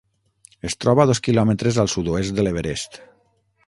Es troba a dos quilòmetres al sud-oest de l'Everest.